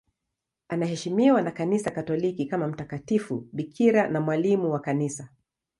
Anaheshimiwa na Kanisa Katoliki kama mtakatifu bikira na mwalimu wa Kanisa.